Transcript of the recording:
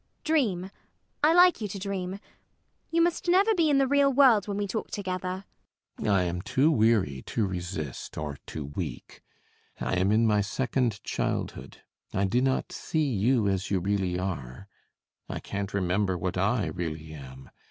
Dream. I like you to dream. You must never be in the real world when we talk together. CAPTAIN SHOTOVER. I am too weary to resist, or too weak. I am in my second childhood. I do not see you as you really are. I can't remember what I really am.